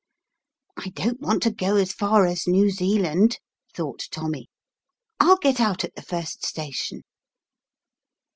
"I don't want to go as far as New Zealand," thought Tommy, " I'll get out at the first station."